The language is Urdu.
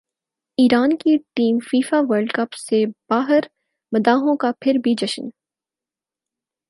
ایران کی ٹیم فیفاورلڈ کپ سے باہرمداحوں کا پھر بھی جشن